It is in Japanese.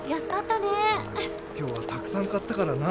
今日はたくさん買ったからな。